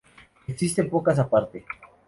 Existen pocas aparte.